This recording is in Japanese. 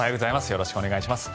よろしくお願いします。